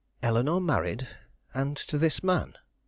Eleanore married, and to this man?